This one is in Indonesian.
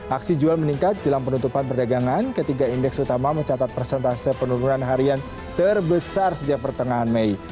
aksi jual meningkat jelang penutupan perdagangan ketiga indeks utama mencatat persentase penurunan harian terbesar sejak pertengahan mei